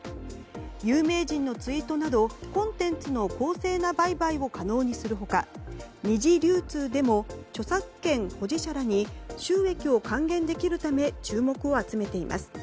有名人のツイートなどコンテンツの公正な売買を可能にする他二次流通でも著作権保持者らに収益を還元できるため注目を集めています。